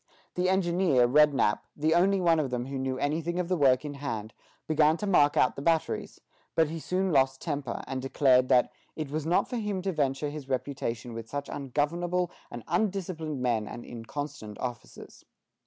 The engineer, Rednap, the only one of them who knew anything of the work in hand, began to mark out the batteries; but he soon lost temper, and declared that "it was not for him to venture his reputation with such ungovernable and undisciplined men and inconstant officers."